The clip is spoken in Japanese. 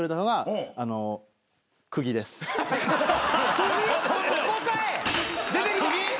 はい。